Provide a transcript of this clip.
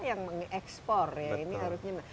yang mengekspor ya